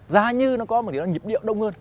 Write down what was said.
giá như nó có một cái nhịp điệu đông hơn